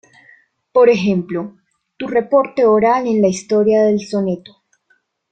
Por ejemplo: "Tu reporte oral en la historia del Soneto.